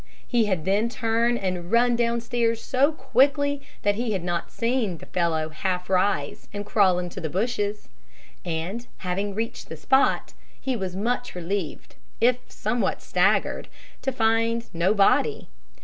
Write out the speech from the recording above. He had then turned and run downstairs so quickly that he had not seen the fellow half rise and crawl into the bushes; and, having reached the spot, he was much relieved, if somewhat staggered, to find no body.